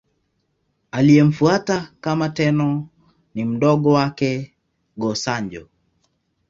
Aliyemfuata kama Tenno ni mdogo wake, Go-Sanjo.